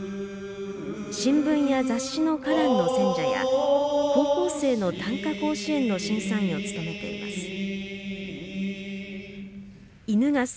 新聞や雑誌の歌壇の選者や高校生の短歌甲子園の審査員を務めています。